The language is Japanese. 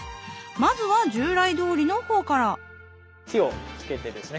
まずは従来どおりの方から火をつけてですね